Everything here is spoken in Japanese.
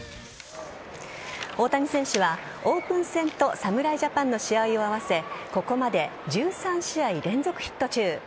大谷選手はオープン戦と侍ジャパンの試合を合わせここまで１３試合連続ヒット中。